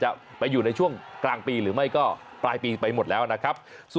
จะไปอยู่ในช่วงกลางปีหรือไม่ก็ปลายปีไปหมดแล้วนะครับ